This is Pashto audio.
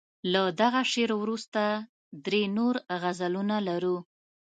له دغه شعر وروسته درې نور غزلونه لرو.